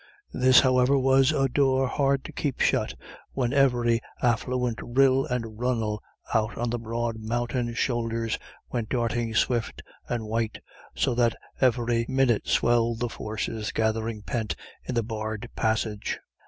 This, however, was a door hard to keep shut, when every affluent rill and runnel out on the broad mountain shoulders went darting swift and white, so that every minute swelled the forces gathering pent in the barred passage.